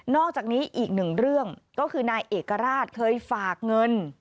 อกจากนี้อีกหนึ่งเรื่องก็คือนายเอกราชเคยฝากเงิน